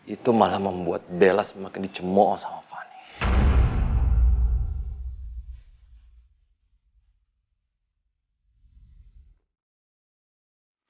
itu malah membuat bella semakin dicemuk sama fanny